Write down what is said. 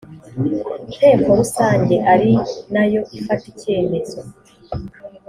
nteko rusange ari na yo ifata icyemezo